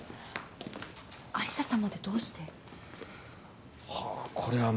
有沙さんまでどうして？は